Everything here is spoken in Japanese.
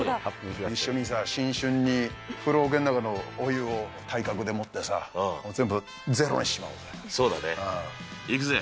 一緒に新春に風呂おけの中のお湯を体格でもってさ、全部ゼロにしちまおうぜ。